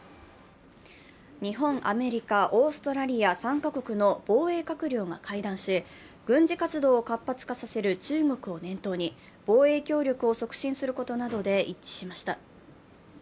日本、アメリカ、オーストラリア、３カ国の防衛閣僚が会談し軍事活動を活発化させる中国を念頭に防衛協力を促進することなどで一致しました。